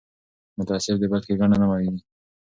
متعصب د بل ښېګڼه نه ویني